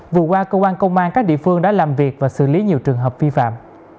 vừa qua cơ quan công an các địa phương đã làm việc và xử lý nhiều trường hợp vi phạm